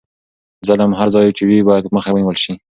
ظلم هر ځای چې وي باید مخه یې ونیول شي.